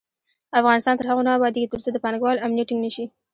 افغانستان تر هغو نه ابادیږي، ترڅو د پانګه والو امنیت ټینګ نشي.